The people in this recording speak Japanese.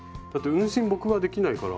運針僕はできないから。